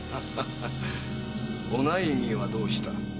お内儀はどうした？